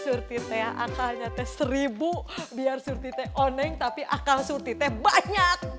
surti teh akalnya teh seribu biar surti teh oneng tapi akal surti teh banyak